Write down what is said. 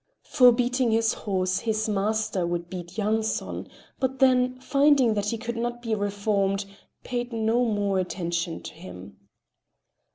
For beating the horse his master would beat Yanson, but then, finding that he could not be reformed, paid no more attention to him.